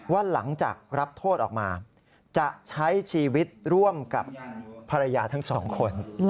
ว่าหลังจากรับโทษออกมาจะใช้ชีวิตร่วมกับภรรยาทั้งสองคน